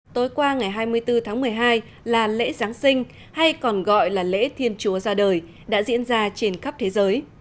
tối qua ngày hai mươi bốn tháng một mươi hai là lễ giáng sinh hay còn gọi là lễ thiên chúa ra đời đã diễn ra trên khắp thế giới